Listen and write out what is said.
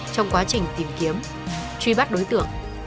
trong quá trình tìm kiếm truy bắt đối tượng